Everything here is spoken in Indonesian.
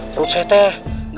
perut saya teh